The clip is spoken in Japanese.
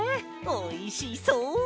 おいしそう！